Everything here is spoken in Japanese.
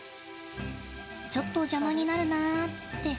ちょっと邪魔になるなって。